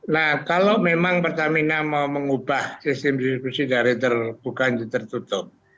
nah kalau memang pertamina mau mengubah sistem distribusi dari terbuka dan tertutup